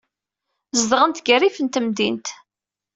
Zedɣent deg rrif n temdint.